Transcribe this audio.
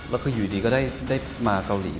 แล้วคืออยู่ดีก็ได้มาเกาหลี